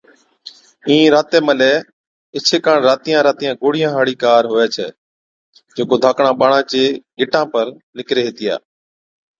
اِين راتَي ملَي ايڇي ڪاڻ راتِيان راتِيان گوڙهِيان هاڙِي ڪار هُوَي ڇَي جڪو ڌاڪڙان ٻاڙان چي گٽان پر نِڪري هِتِيا۔